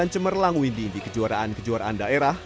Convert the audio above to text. cemerlang windy di kejuaraan kejuaraan daerah